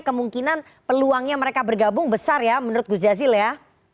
kemungkinan peluangnya mereka bergabung besar ya menurut gus jazil ya